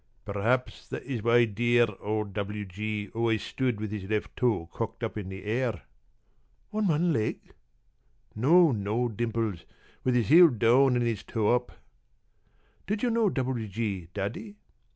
p> "Perhaps that is why dear old W. G. always stood with his left toe cocked up in the air." "On one leg?" "No, no, Dimples. With his heel down and his toe up." "Did you know W.G., Daddy?"